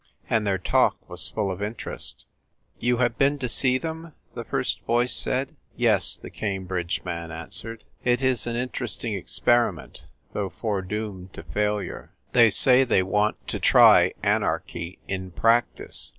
And their talk was full of interest. "You have been to see them? "the first voice said. " Yes," the Cambridge man answered. " It is an interesting experiment, though fore doomed to failure. They say they want to try anarchy in practice.